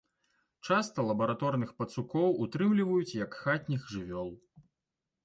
Часта лабараторных пацукоў утрымліваюць як хатніх жывёл.